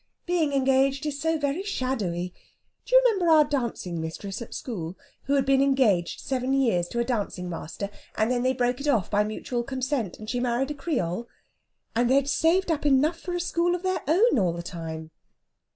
Being engaged is so very shadowy. Do you remember our dancing mistress at school, who had been engaged seven years to a dancing master, and then they broke it off by mutual consent, and she married a Creole? And they'd saved up enough for a school of their own all the time!